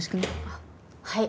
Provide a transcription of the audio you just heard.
・あっはい。